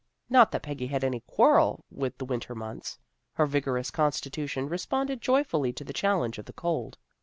Not that Peggy had any quarrel with the winter months. Her vigorous constitution responded joyfully to the challenge of the cold.